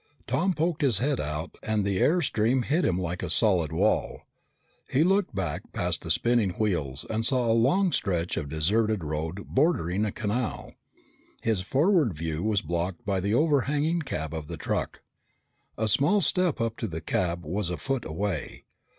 Tom poked his head out and the air stream hit him like a solid wall. He looked back past the spinning wheels and saw a long stretch of deserted road bordering a canal. His view forward was blocked by the overhanging cab of the truck. The small step up to the cab was a foot away.